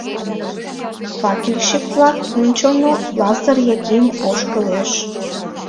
Факельщик-влак ончылно Лазыр Яким ошкылеш.